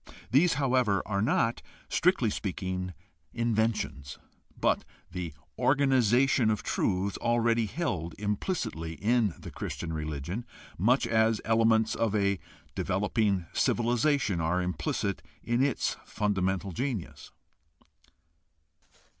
These, however, are not, strictly speaking, inventions, but the organization of truths already held implicitly in the Christian religion, much as elements of a developing civilization are implicit in its fundamental genius.